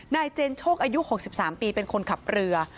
เจนโชคอายุ๖๓ปีเป็นคนขับเรือ